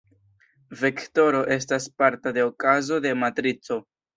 Vektoro estas parta de okazo de matrico.